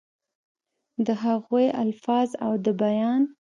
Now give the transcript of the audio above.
دَ هغوي الفاظ او دَ بيان